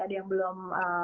ada yang belum